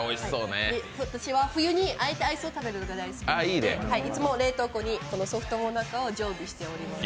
私は冬にあえてアイスを食べるのが大好きで、いつも冷凍庫にこのソフトもなかを常備しております。